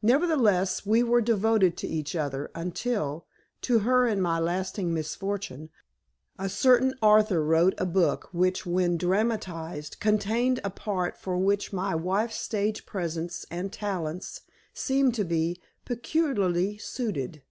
Nevertheless, we were devoted to each other until, to her and my lasting misfortune, a certain author wrote a book which, when dramatized, contained a part for which my wife's stage presence and talents seemed to be peculiarly suited."